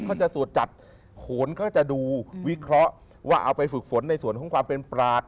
เขาจะสวดจัดโขนเขาจะดูวิเคราะห์ว่าเอาไปฝึกฝนในส่วนของความเป็นปราศ